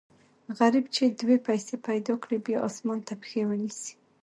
غریب چې دوې پیسې پیدا کړي، بیا اسمان ته پښې و نیسي.